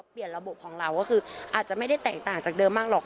ระบบของเราก็คืออาจจะไม่ได้แตกต่างจากเดิมมากหรอก